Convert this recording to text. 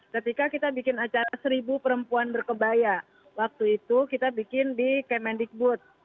ketika kita bikin acara seribu perempuan berkebaya waktu itu kita bikin di kemendikbud